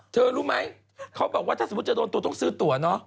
รู้ไหมเขาบอกว่าถ้าสมมุติจะโดนตัวต้องซื้อตัวเนอะ